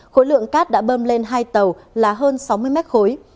khối lượng cát đã bơm lên hai tàu là hơn sáu mươi mét khối